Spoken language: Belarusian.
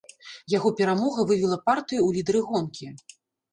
Яго перамога вывела партыю ў лідары гонкі.